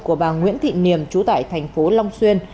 của bà nguyễn thị niềm trú tại thành phố long xuyên